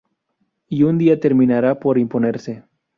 Y un día terminará por imponerse.